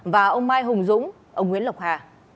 và ông mai hùng dũng ông nguyễn lộc hà